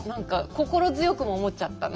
「心強くも思っちゃった」ね。